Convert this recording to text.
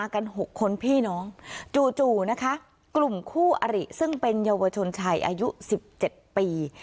กลุ่มคู่อริซึ่งเป็นเยาวชนชายอายุสิบเจ็ดปี